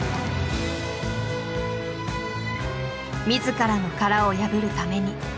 自らの殻を破るために。